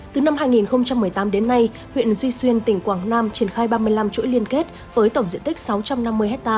từ năm hai nghìn một mươi tám đến nay huyện duy xuyên tỉnh quảng nam triển khai ba mươi năm chuỗi liên kết với tổng diện tích sáu trăm năm mươi ha